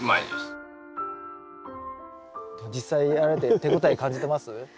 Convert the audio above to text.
実際やられて手応え感じてます？